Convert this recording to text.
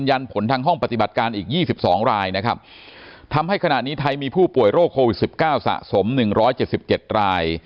อันนี้ไทยมีผู้ป่วยโรคโควิด๑๙สะสม๑๗๗ราย